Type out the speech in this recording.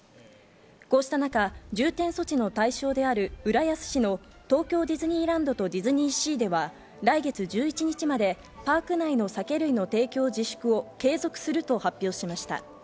こうした中、重点措置の対象である、浦安市の東京ディズニーランドとディズニーシーでは、来月１１日までパーク内の酒類の提供自粛を継続すると発表しました。